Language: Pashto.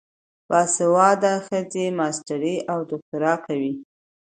باسواده ښځې ماسټري او دوکتورا کوي.